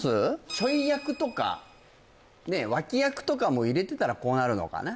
チョイ役とかねえ脇役とかも入れてたらこうなるのかな？